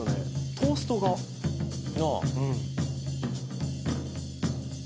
トーストがなあ